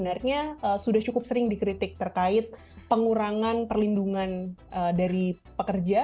jadi sebenarnya sudah cukup sering dikritik terkait pengurangan perlindungan dari pekerja